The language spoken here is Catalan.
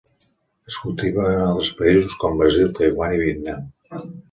Es cultiva en altres països com Brasil, Taiwan, i Vietnam.